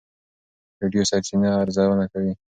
ویډیو سرچینه ارزونه کوي.